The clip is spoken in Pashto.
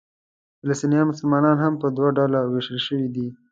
فلسطیني مسلمانان هم په دوه ډوله وېشل شوي دي.